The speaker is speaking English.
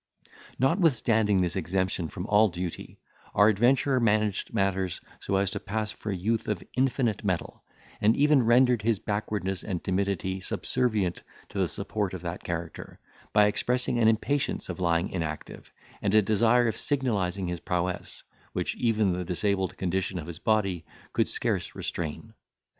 Notwithstanding this exemption from all duty, our adventurer managed matters so as to pass for a youth of infinite mettle, and even rendered his backwardness and timidity subservient to the support of that character, by expressing an impatience of lying inactive, and a desire of signalising his prowess, which even the disabled condition of his body could scarce restrain.